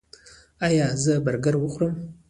ایا زه برګر وخورم؟